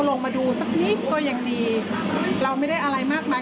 ลงมาดูสักนิดก็ยังดีเราไม่ได้อะไรมากมาย